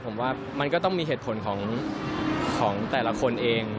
ผมว่ามันก็ต้องมีเหตุผลของแต่ละคนเอง